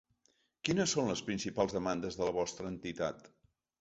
Quines són les principals demandes de la vostra entitat?